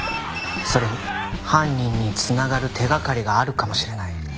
それに犯人に繋がる手掛かりがあるかもしれない。